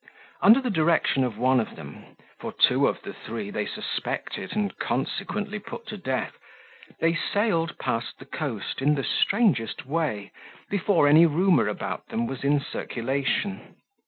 Under the direction of one of them—for two of the three they suspected and consequently put to death—they sailed past the coast in the strangest way before any rumour about them was in circulation.